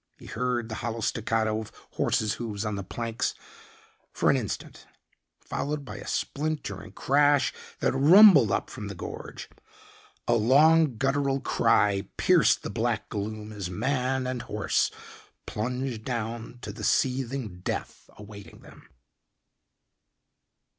He heard the hollow staccato of horse's hoofs on the planks for an instant, followed by a splintering crash that rumbled up from the gorge. A long, guttural cry pierced the black gloom as man and horse plunged down to the seething death awaiting them.